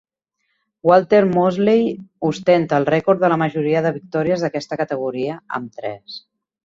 Walter Mosley ostenta el rècord de la majoria de victòries d'aquesta categoria, amb tres.